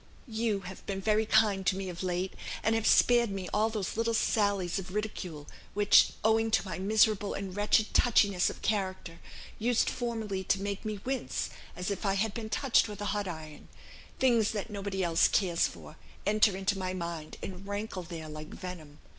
"You have been very kind to me of late, and have spared me all those little sallies of ridicule, which, owing to my miserable and wretched touchiness of character, used formerly to make me wince, as if I had been touched with a hot iron; things that nobody else cares for, enter into my mind and rankle there like venom.